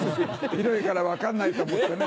広いから分かんないと思ってね。